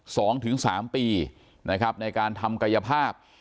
สองถึงสามปีนะครับในการทำกายภาพ